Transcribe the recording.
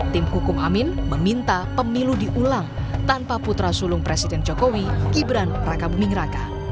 tim hukum amin meminta pemilu diulang tanpa putra sulung presiden jokowi gibran raka buming raka